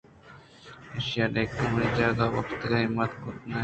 اِشاں نئیکہ منی جاگہءَ وپسگ ءِہمت کُت اَنت